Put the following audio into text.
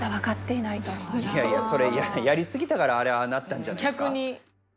いやいやそれやり過ぎたからあれああなったんじゃないですか？